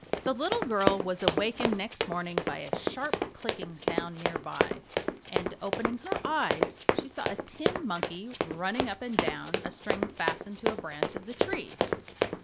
The little girl was awakened next morning by a sharp clicking sound near by, and opening her eyes she saw a tin monkey running up and down a string fastened to a branch of the tree.